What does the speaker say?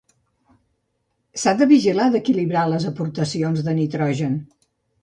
S'ha de vigilar d'equilibrar les aportacions de nitrogen.